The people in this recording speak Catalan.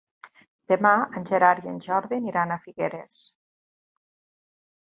Demà en Gerard i en Jordi aniran a Figueres.